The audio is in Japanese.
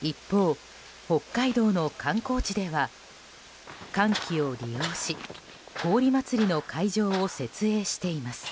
一方、北海道の観光地では寒気を利用し氷まつりの会場を設営しています。